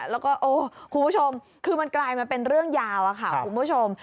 แล้วก็โอ้คุณผู้ชมคือมันกลายมาเป็นเรื่องยาวอะค่ะคุณผู้ชม